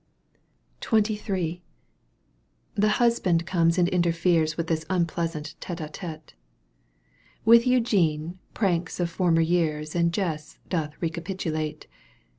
XXIII. The husband comes and interferes With this unpleasant tete drtete, With Eugene pranks of former years And jests doth recapitulate.